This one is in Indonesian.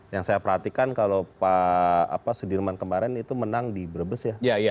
yang saya perhatikan kalau pak sudirman kemarin itu menang di brebes ya